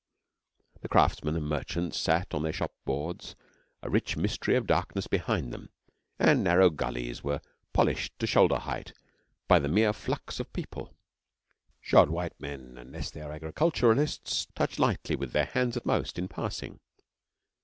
The craftsmen and merchants sat on their shop boards, a rich mystery of darkness behind them, and the narrow gullies were polished to shoulder height by the mere flux of people. Shod white men, unless they are agriculturists, touch lightly, with their hands at most, in passing.